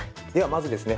まずですね